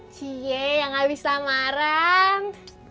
cie yang habis lamaran